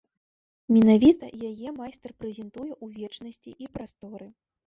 Менавіта яе майстар прэзентуе ў вечнасці і прасторы.